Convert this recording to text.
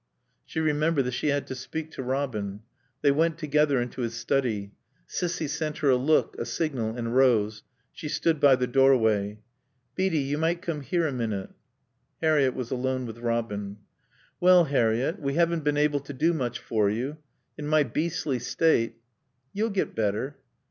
She remembered that she had to speak to Robin. They went together into his study. Cissy sent her a look, a signal, and rose; she stood by the doorway. "Beatie, you might come here a minute." Harriett was alone with Robin. "Well, Harriett, we haven't been able to do much for you. In my beastly state " "You'll get better."